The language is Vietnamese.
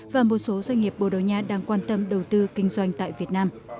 và một số doanh nghiệp bồ đầu nha đang quan tâm đầu tư kinh doanh tại việt nam